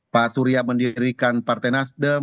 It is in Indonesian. pak surya mendirikan partai nasdem